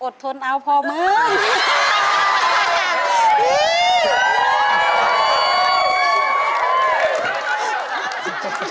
อดทนเอาพอเหมือนกัน